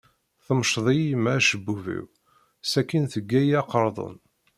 Temceḍ-iyi yemma acebbub-iw, sakin tegga-iyi aqardun.